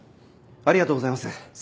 ありがとうございます。